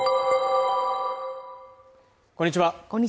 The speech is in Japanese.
こんにちは